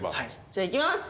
じゃあいきます。